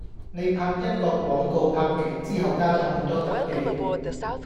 你拍一個廣告拍完之後加咗好多特技